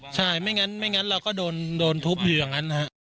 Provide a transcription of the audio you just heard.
ใช่ไม่งั้นไม่งั้นเราก็โดนทุบอยู่อย่างนั้น